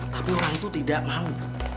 tapi orang itu tidak mau